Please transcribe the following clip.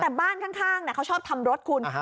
แต่บ้านข้างเนี่ยเขาชอบทำรถคุณอ่าฮะ